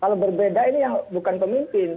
kalau berbeda ini yang bukan pemimpin